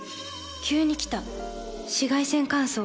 急に来た紫外線乾燥。